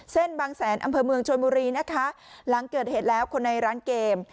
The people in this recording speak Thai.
บางแสนอำเภอเมืองชนบุรีนะคะหลังเกิดเหตุแล้วคนในร้านเกม